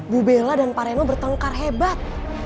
bu bella dan pak reno bertengkar hebat